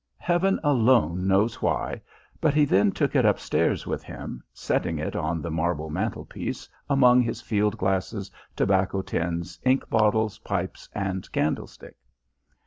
Heaven alone knows why, but he then took it upstairs with him, setting it on the marble mantelpiece among his field glasses, tobacco tins, ink bottles, pipes and candlestick.